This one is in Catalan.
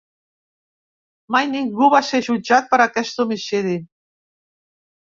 Mai ningú va ser jutjat per aquest homicidi.